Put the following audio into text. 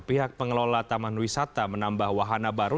pihak pengelola taman wisata menambah wahana baru